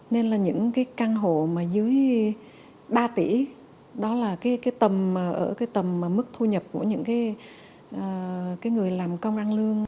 nên là những cái căn hộ mà dưới ba tỷ đó là cái tầm ở cái tầm mức thu nhập của những cái người làm công ăn lương